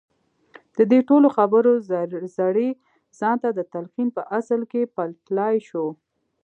د دې ټولو خبرو زړی ځان ته د تلقين په اصل کې پلټلای شو.